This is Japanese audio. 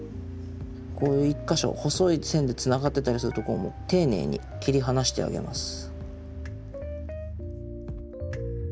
こう一か所細い線でつながってたりするところもていねいに切り離してあげます。